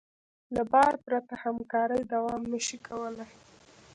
له باور پرته همکاري دوام نهشي کولی.